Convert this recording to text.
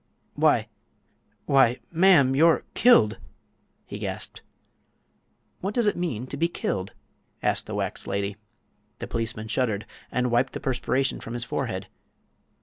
"Why—why, ma'am, you're killed!" he gasped. "What does it mean to be killed?" asked the wax lady. The policeman shuddered and wiped the perspiration from his forehead.